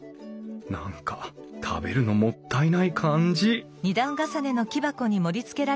何か食べるのもったいない感じ